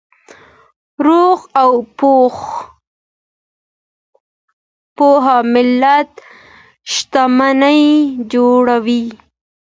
روغ او پوهه ملت شتمني جوړوي.